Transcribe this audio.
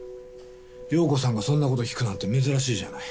陽子さんがそんなこと聞くなんて珍しいじゃない。